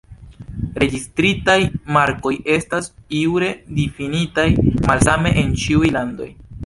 Registritaj markoj estas jure difinitaj malsame en ĉiuj landoj.